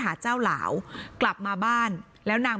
หนูจะให้เขาเซอร์ไพรส์ว่าหนูเก่ง